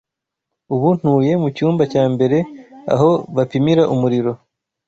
Ubu ntuye mucyumba cya mbere aho bapimira umuriro.